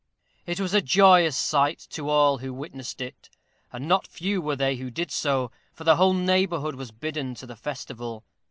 It was a joyous sight to all who witnessed it, and not few were they who did so, for the whole neighborhood was bidden to the festival.